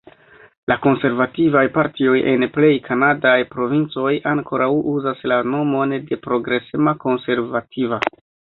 La konservativaj partioj en plej kanadaj provincoj ankoraŭ uzas la nomon de Progresema Konservativa.